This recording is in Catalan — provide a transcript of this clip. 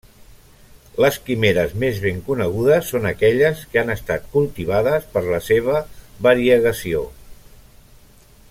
Les quimeres més ben conegudes són aquelles que han estat cultivades per la seva variegació.